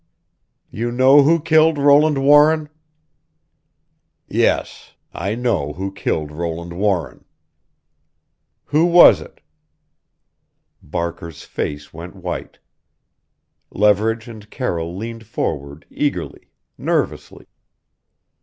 "You know who killed Roland Warren?" "Yes I know who killed Roland Warren!" "Who was it?" Barker's face went white. Leverage and Carroll leaned forward eagerly nervously.